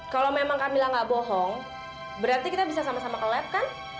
kalau memang camillah nggak bohong berarti kita bisa sama sama ke lab kan